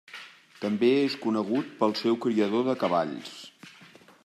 També és conegut pel seu criador de cavalls.